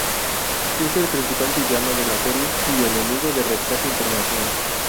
Es el principal villano de la serie y enemigo de Rescate Internacional.